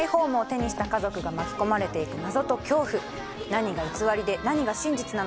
何が偽りで何が真実なのか。